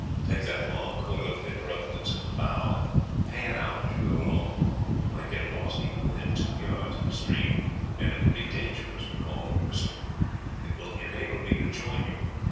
Take that long coil of thin rope that is in the bow, and pay it out as you go along. You might get lost even within two yards of the stream, and it would be dangerous to call or whistle. It will enable me to join you.